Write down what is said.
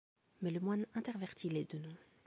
Mais le moine intervertit les deux noms.